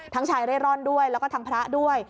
ชายเร่ร่อนด้วยแล้วก็ทั้งพระด้วย